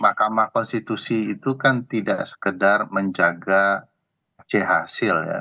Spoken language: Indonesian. makamah konstitusi itu kan tidak sekedar menjaga chasil ya